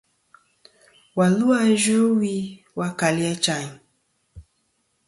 Và lu a Yvɨwi va kali Achayn.